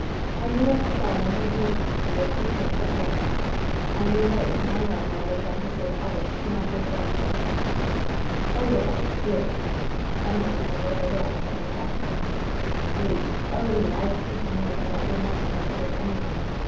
I knew I should die under the upas tree of his hateful presence! I knew that it was my life I laid down to save others whom I did love!" "Odalite!" he exclaimed, amazed and overwhelmed by her passion. "Le! Oh, Le! I have told you more than I meant ever to have told any one!